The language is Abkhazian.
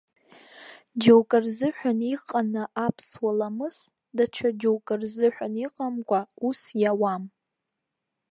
Ьоукы рзыҳәан иҟаны аԥсуа ламыс, даҽа џьоукы рзыҳәан иҟамкәа, ус иауам.